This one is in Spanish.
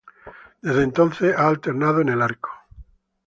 Desde entonces, ha alternado en el arco.